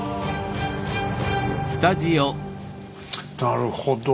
なるほど。